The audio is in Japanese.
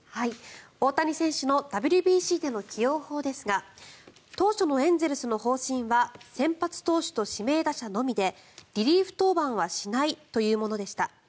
大谷選手のＷＢＣでの起用法ですが当初のエンゼルスの方針は先発投手と指名打者のみでリリーフ登板はしないというものでした。